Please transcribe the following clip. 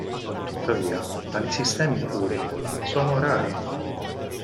Tuttavia, tali sistemi puri sono rari.